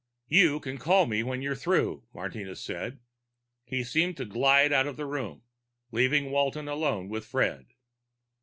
"You can call me when you're through," Martinez said. He seemed to glide out of the room, leaving Walton alone with Fred.